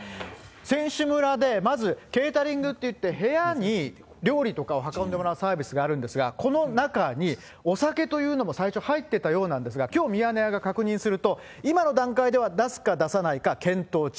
選手村で、まずケータリングっていって、部屋に料理とかを運んでもらうサービスがあるんですが、この中に、お酒というのも最初入ってたようなんですが、きょう、ミヤネ屋が確認すると、今の段階では、出すか出さないか検討中。